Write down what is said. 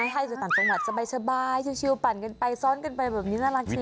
ให้จะตันสมบัติสบายชิวปั่นกันไปซ้อนกันไปแบบนี้น่ารักเฉียว